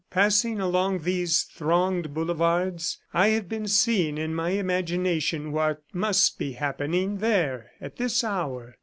Passing along these thronged boulevards, I have been seeing in my imagination what must be happening there at this hour.